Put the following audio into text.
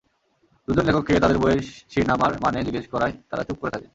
দুজন লেখককে তাদের বইয়ের শিরনামার মানে জিজ্ঞেস করায় তাঁরা চুপ করে থাকেন।